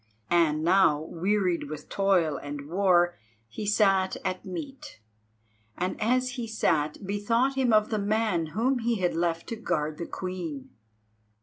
And now, wearied with toil and war, he sat at meat, and as he sat bethought him of the man whom he had left to guard the Queen.